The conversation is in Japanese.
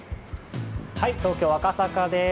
東京・赤坂です